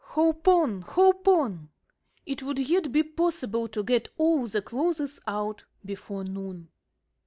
"Hope on! Hope on!" It would yet be possible to get all the clothes out before noon.